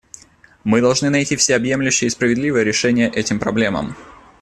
Мы должны найти всеобъемлющее и справедливое решение этим проблемам.